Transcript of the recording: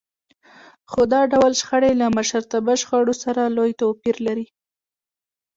خو دا ډول شخړې له مشرتابه شخړو سره لوی توپير لري.